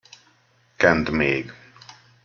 Kend még.